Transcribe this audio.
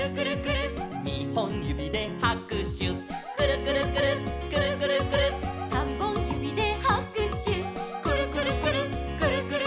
「にほんゆびではくしゅ」「くるくるくるっくるくるくるっ」「さんぼんゆびではくしゅ」「くるくるくるっくるくるくるっ」